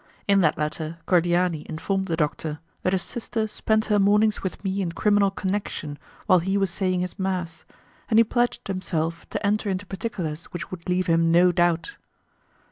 In that letter Cordiani informed the doctor that his sister spent her mornings with me in criminal connection while he was saying his mass, and he pledged himself to enter into particulars which would leave him no doubt.